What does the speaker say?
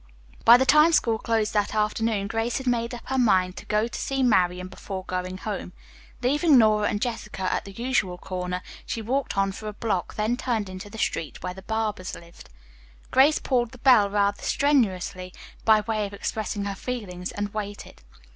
By the time school closed that afternoon Grace had made up her mind to go to see Marian before going home. Leaving Nora and Jessica at the usual corner, she walked on for a block, then turned into the street where the Barbers lived. Grace pulled the bell rather strenuously by way of expressing her feelings, and waited.